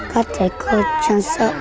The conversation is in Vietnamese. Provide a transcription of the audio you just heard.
các thầy cô trang sở